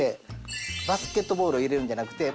バスケットボールを入れるんじゃなくて。